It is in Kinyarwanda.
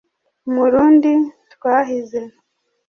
umurundi twahize